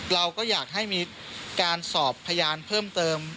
เราก็อยากให้มีการสอบพยานเพิ่มเติม